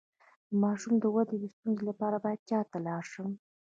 د ماشوم د ودې د ستونزې لپاره باید چا ته لاړ شم؟